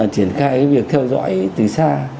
triển khai cái việc theo dõi từ xa